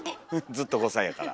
ずっと５歳やから。